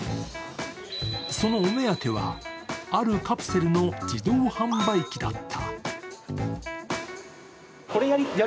そのお目当ては、あるカプセルの自動販売機だった。